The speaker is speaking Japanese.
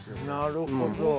なるほど。